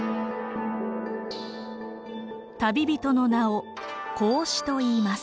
旅人の名を孔子といいます。